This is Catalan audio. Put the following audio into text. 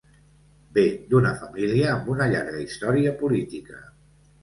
Ve d'una família amb una llarga història política.